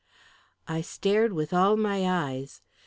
I stared with all my eyes.